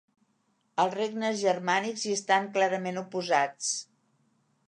Els regnes germànics hi estan clarament oposats.